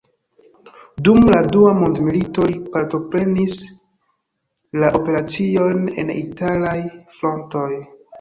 Dum la Dua mondmilito li partoprenis la operaciojn en italaj frontoj.